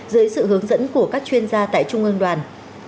dưới sự hướng dẫn của các chuyên gia tại trung ương đoàn